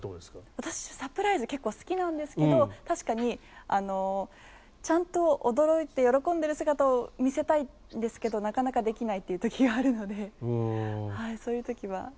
私はサプライズ結構好きなんですけど確かに、ちゃんと驚いて喜んでいる姿を見せたいんですけどなかなかできないという時があるのでそういう時は。